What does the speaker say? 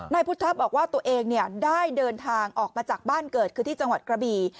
นายพุทธบอกว่าตัวเองได้เดินทางออกมาจากบ้านเกิดคือที่จังหวัดกระบี่